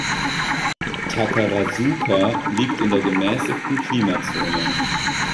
Takarazuka liegt in der gemäßigten Klimazone.